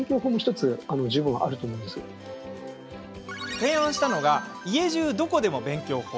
提案したのが家じゅうどこでも勉強法。